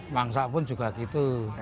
mangsa pun juga gitu